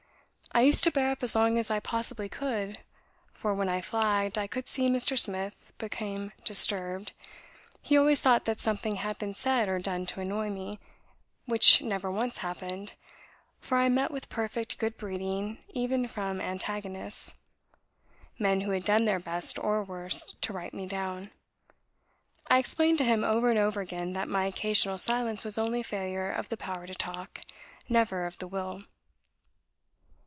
I used to bear up as long as I possibly could, for, when I flagged, I could see Mr. Smith became disturbed; he always thought that something had been said or done to annoy me which never once happened, for I met with perfect good breeding even from antagonists men who had done their best or worst to write me down. I explained to him over and over again, that my occasional silence was only failure of the power to talk, never of the will.